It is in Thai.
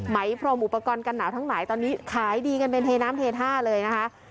พรมอุปกรณ์กันหนาวทั้งหลายตอนนี้ขายดีกันเป็นเทน้ำเทท่าเลยนะคะ